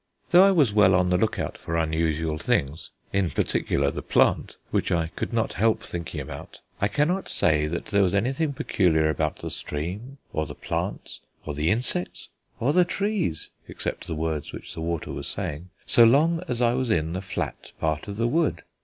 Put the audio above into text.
Though I was well on the look out for unusual things in particular the plant, which I could not help thinking about I cannot say there was anything peculiar about the stream or the plants or the insects or the trees (except the words which the water kept saying) so long as I was in the flat part of the wood.